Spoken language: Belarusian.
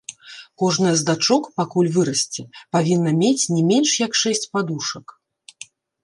Кожная з дачок, пакуль вырасце, павінна мець не менш як шэсць падушак.